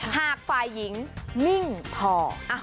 หากฝ่ายหญิงนิ่งพอ